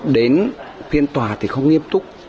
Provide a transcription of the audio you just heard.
đến phiên tòa thì không nghiêm túc